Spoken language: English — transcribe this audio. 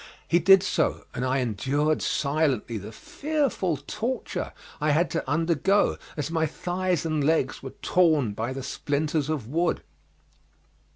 He did so, and I endured silently the fearful torture I had to undergo, as my thighs and legs were torn by the splinters of wood.